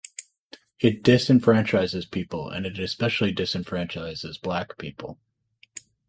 It disenfranchises people and it especially disenfranchises black people.